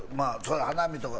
花見とか。